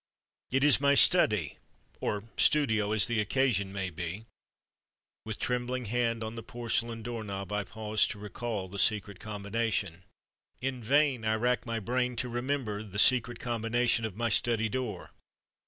It is my study (or studio, as the occasion may be). With trembling hand on the porcelain door knob, I pause to recall the secret combination. In vain I rack my brain to remember the secret combination of my study door.